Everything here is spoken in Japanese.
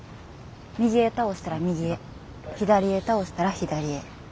右へ倒したら右へ左へ倒したら左へ。